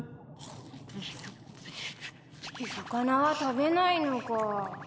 魚は食べないのか。